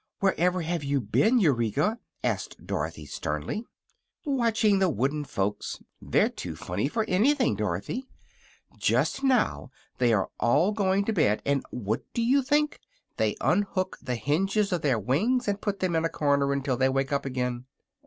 "Wherever have you been, Eureka?" asked Dorothy, sternly. "Watching the wooden folks. They're too funny for anything, Dorothy. Just now they are all going to bed, and what do you think? they unhook the hinges of their wings and put them in a corner until they wake up again."